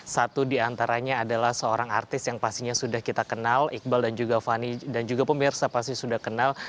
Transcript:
satu diantaranya adalah seorang artis yang pastinya sudah kita kenal iqbal dan juga fani dan juga pemirsa pasti sudah kenal